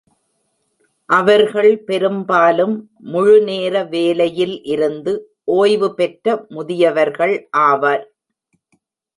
அவர்கள் பெரும்பாலும் முழுநேர வேலையில் இருந்து ஓய்வு பெற்ற முதியவர்கள் ஆவர்.